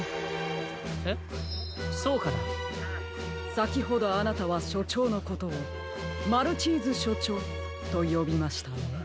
さきほどあなたはしょちょうのことを「マルチーズしょちょう」とよびましたね。